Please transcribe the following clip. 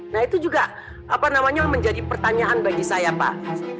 nah itu juga menjadi pertanyaan bagi saya pak